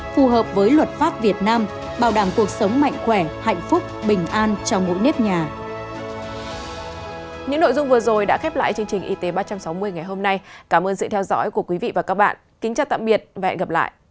phù hợp với luật pháp việt nam bảo đảm cuộc sống mạnh khỏe hạnh phúc bình an cho mỗi nếp nhà